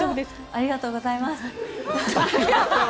ありがとうございます。